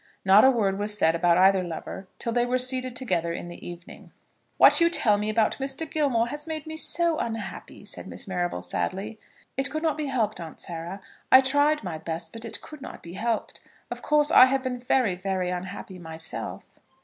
Not a word was said about either lover till they were seated together in the evening. "What you tell me about Mr. Gilmore has made me so unhappy," said Miss Marrable, sadly. "It could not be helped, Aunt Sarah. I tried my best, but it could not be helped. Of course I have been very, very unhappy myself."